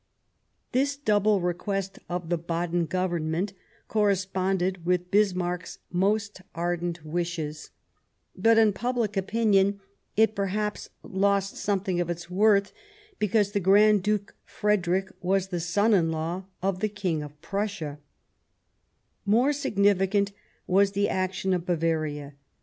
This double request of the Baden Government corresponded with Bismarck's most ardent wishes ; but, in public opinion, it perhaps lost something of its worth, because the Grand Duke Frederick was the son in law of the King of Prussia, More significant was the action of Bavaria.